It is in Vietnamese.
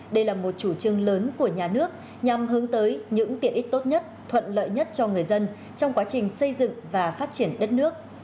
đây là một chủ trương lớn của nhà nước nhằm hướng tới những tiện ích tốt nhất thuận lợi nhất cho người dân trong quá trình xây dựng và phát triển đất nước